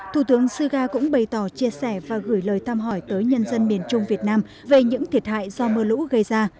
thủ tướng suga cũng bày tỏ chia sẻ và gửi lời thăm hỏi tới nhân dân miền trung việt nam về những thiệt hại do mưa lũ gây ra